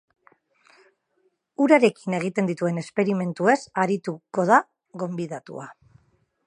Urarekin egiten dituen esperimentuez arituko da gonbidatua.